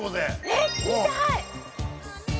えっ見たい！